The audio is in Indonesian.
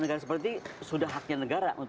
negara seperti ini sudah haknya negara